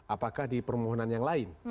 apakah di permohonan yang lain